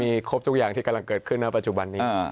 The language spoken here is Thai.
มีครบทุกอย่างที่เกิดขึ้นในปัจจุบันนี้